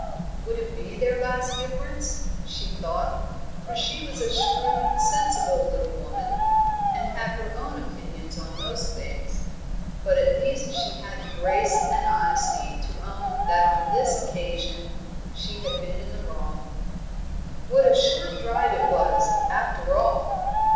"Would it be their last difference?" she thought; for she was a shrewd, sensible little woman, and had her own opinions on most things; but at least she had the grace and honesty to own that on this occasion she had been in the wrong. What a short drive it was, after all!